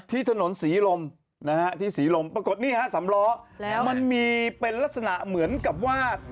ที่ถนนศรีลมนะฮะที่ศรีลมปรากฏนี่ฮะสำล้อแล้วมันมีเป็นลักษณะเหมือนกับว่า